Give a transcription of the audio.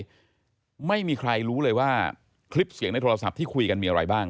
ไม่มีใครรู้เลยว่าคลิปเสียงในโทรศัพท์ที่คุยกันมีอะไรบ้าง